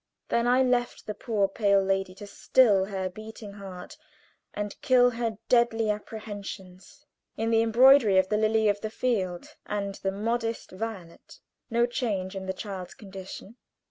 Then I left the poor pale lady to still her beating heart and kill her deadly apprehensions in the embroidery of the lily of the field and the modest violet. No change in the child's condition.